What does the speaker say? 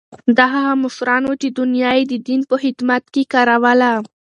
دا هغه مشران وو چې دنیا یې د دین په خدمت کې کاروله.